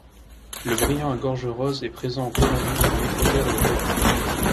Le Brillant à gorge rose est présent en Colombie, en Équateur et au Pérou.